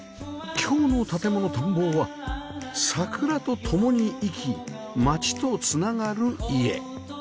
今日の『建もの探訪』は桜と共に生き街とつながる家